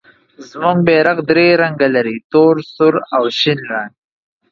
زموږ بیرغ درې رنګه لري، تور، سور او شین رنګ.